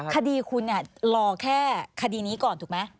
คดีคุณรอแค่คดีนี้ก่อนถูกไหม